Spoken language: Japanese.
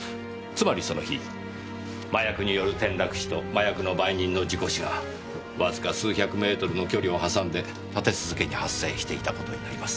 つまりその日麻薬による転落死と麻薬の売人の事故死がわずか数百メートルの距離を挟んで立て続けに発生していた事になります。